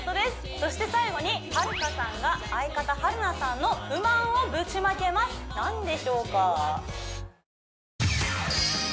そして最後にはるかさんが相方春菜さんの不満をぶちまけます何でしょうか？